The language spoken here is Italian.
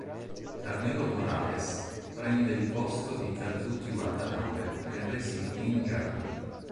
Carmelo Morales prende il posto di Kazuki Watanabe nel Racing Team Germany.